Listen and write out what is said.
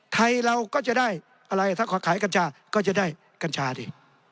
ไทยเราก็จะได้อะไรถ้าขอขายกัญชาก็จะได้กัญชาดิ